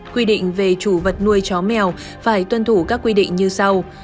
quy định về chủ vật nuôi chó mèo phải tuân thủ các quy định như sau